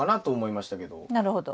なるほど。